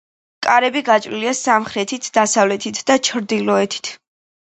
კარები გაჭრილია სამხრეთით, დასავლეთით და ჩრდილოეთით.